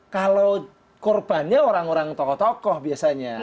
kalau korbannya orang orang tokoh tokoh biasanya